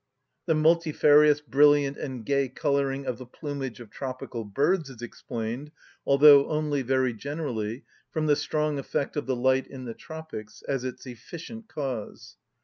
The multifarious, brilliant, and gay colouring of the plumage of tropical birds is explained, although only very generally, from the strong effect of the light in the tropics, as its efficient cause.